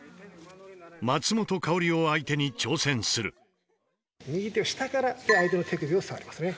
松本薫を相手に挑戦する右手を下から相手の手首を触りますね。